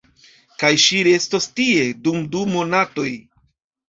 Kaj ŝi restos tie, dum du monatoj.